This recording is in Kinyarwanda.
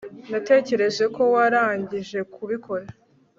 natekereje ko warangije kubikora